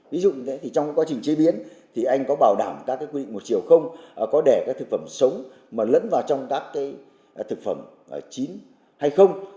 ví dụ như thế thì trong quá trình chế biến thì anh có bảo đảm các quy định một chiều không có để thực phẩm sống mà lẫn vào trong các thực phẩm chín hay không